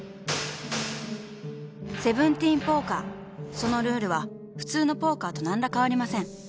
そのルールは普通のポーカーと何ら変わりません］